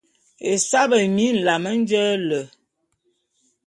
Esaé bemie nlame nje le.